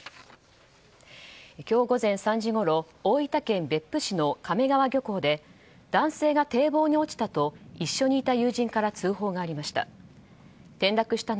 今日午前３時ごろ大分県別府市の亀川漁港で男性が堤防に落ちたと一緒にいた友人から通報がありました。